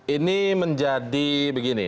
ini menjadi begini